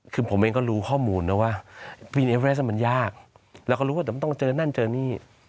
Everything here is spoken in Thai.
คือผมเองก็รู้ข้อมูลนะว่าพรีเอเรสมันยากแล้วก็รู้ว่ามันต้องเจอนั่นเจอนี่